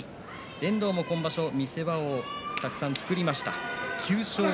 遠藤も今場所見せ場をたくさん作りました。